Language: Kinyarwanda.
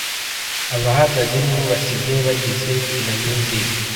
Abahagaze nibo basigaye bagize Kina Music